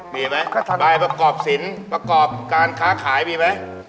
มีไหมใบประกอบศิลป์ประกอบการค้าขายมีไหม